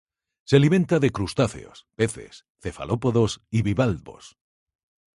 Se alimenta de crustáceos, peces, cefalópodos y bivalvos.